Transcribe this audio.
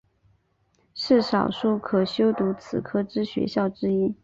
是少数可修读此科之学校之一。